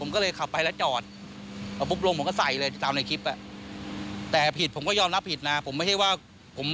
ในโซเชียลมันไม่น่าจะมาด่าผมแบบนั้น